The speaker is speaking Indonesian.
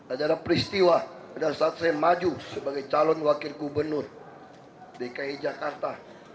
adalah peristiwa pada saat saya maju sebagai calon wakil gubernur dki jakarta